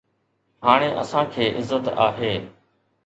هاڻي اسان کي عزت آهي